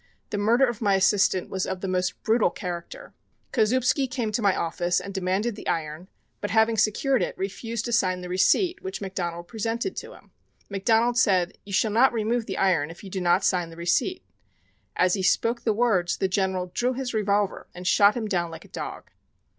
The murder of my assistant was of the most brutal character. Kozoubsky came to my office and demanded the iron, but having secured it, refused to sign the receipt which McDonald presented to him. McDonald said: 'You shall not remove the iron if you do not sign the receipt.' As he spoke the words the General drew his revolver and shot him down like a dog.